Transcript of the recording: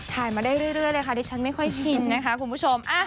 มาได้เรื่อยเลยค่ะดิฉันไม่ค่อยชินนะคะคุณผู้ชม